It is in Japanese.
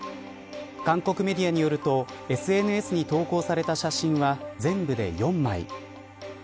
韓国メディアによるとＳＮＳに投稿された写真は全部で４枚。